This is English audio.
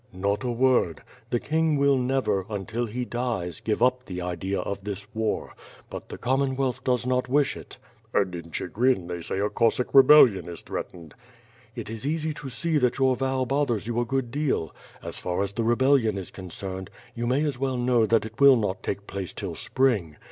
"Not a word. The king will never, until he dies, give up the idea of this war; but the Commonwealth does not wish it." "And in Chigrin they say a Cossack rebellion is threat ened." "It is easy to see that your vow bothers you a (;ood deal. WITH FIRE AND SWORD, g. As far as the rebellion is concerned, you may as well know that it will not take place till spring.